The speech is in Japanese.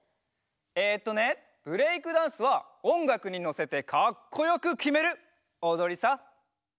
えっとねブレイクダンスはおんがくにのせてかっこよくきめるおどりさ。